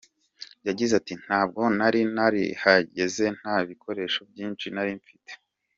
Yagize ati “Ntabwo nari narahageze, nta n’ibikoresho byinshi nari mfite.